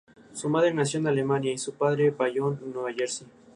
Su madre nació en Alemania y su padre en Bayonne, Nueva Jersey.